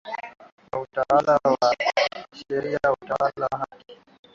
na utawala wa sheria na utawala wa haki